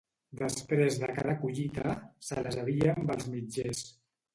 Després de cada collita se les havia amb els mitgers.